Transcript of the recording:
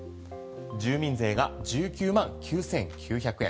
住民税が１９万９９００円。